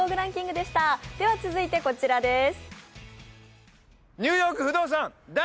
続いて、こちらです。